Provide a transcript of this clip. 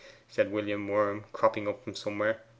said William Worm, cropping up from somewhere.